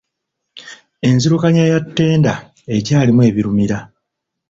Enzirukanya ya ttenda ekyalimu ebirumira.